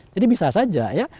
jadi bisa saja ya